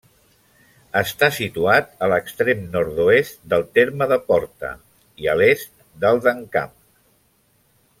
Està situat a l'extrem nord-oest del terme de Porta i a l'est del d'Encamp.